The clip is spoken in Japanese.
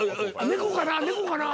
猫かな？